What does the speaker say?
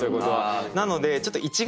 なので。